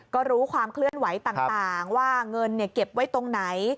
ก็รู้ความเคลื่อนไหวต่างว่าเงินเก็บไว้ตรงไหน